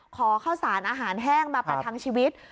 ขอข้าวสารอาหารแห้งมาประทังชีวิต